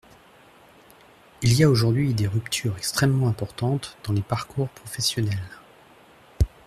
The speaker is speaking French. Il y a aujourd’hui des ruptures extrêmement importantes dans les parcours professionnels.